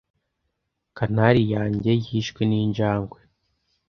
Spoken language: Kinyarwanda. Canary yanjye yishwe ninjangwe.